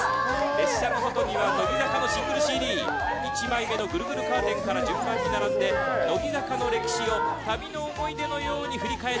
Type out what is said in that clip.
列車の外には乃木坂４６のシングルＣＤ１枚目のぐるぐるカーテンから順番に並んで乃木坂４６の歴史を旅の思い出のように振り返っています。